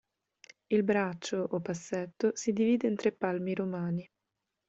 Il braccio o passetto, si divide in tre palmi romani.